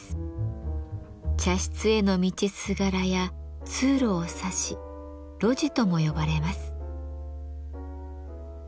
茶室への道すがらや通路を指し「露地」とも呼ばれます。